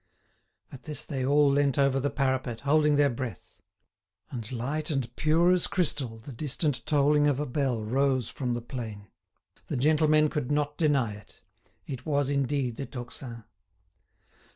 At this they all leant over the parapet, holding their breath. And light and pure as crystal the distant tolling of a bell rose from the plain. The gentlemen could not deny it. It was indeed the tocsin.